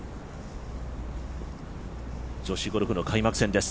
女子ゴルフの開幕戦です。